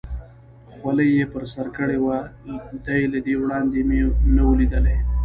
خولۍ یې پر سر کړې وه، دی له دې وړاندې مې نه و لیدلی.